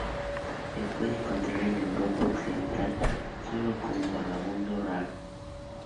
Se puede encontrar en Europa occidental sólo como vagabundo raro.